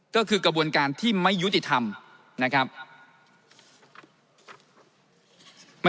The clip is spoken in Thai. ก็คือกระบวนการที่ไม่ยุติธรรมนะครับ